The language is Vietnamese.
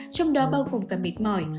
trong đó bao gồm cả mệt mỏi